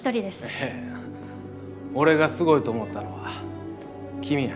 いや俺がすごいと思ったのは君や。